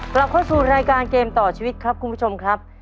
กลับเข้าสู่รายการเกมต่อชีวิตครับคุณผู้ชมครับ